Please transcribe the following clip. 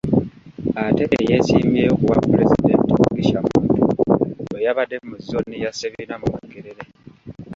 Ate ye eyeesimbyewo ku bwapulezidenti, Mugisha Muntu, bwe yabadde mu zooni ya Ssebina mu Makerere .